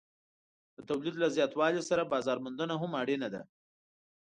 د تولید له زیاتوالي سره بازار موندنه هم اړینه ده.